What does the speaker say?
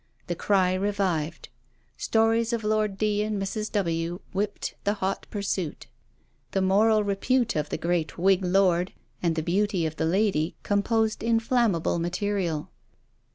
The cry revived. Stories of Lord D. and Mrs. W. whipped the hot pursuit. The moral repute of the great Whig lord and the beauty of the lady composed inflammable material.